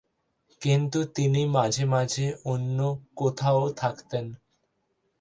কিন্তু তিনি মাঝে মাঝে অন্য কোথাও থাকতেন।